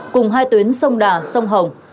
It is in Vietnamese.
cùng hai tuyến sông đà sông hồng